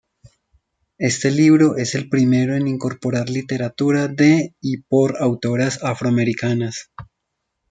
Este libro es el primero en incorporar literatura de y por autoras afroamericanas.